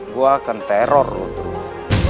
gue akan teror terus